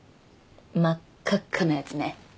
真っ赤っかなやつね。